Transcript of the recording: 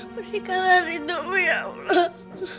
berikanlah hidupmu ya allah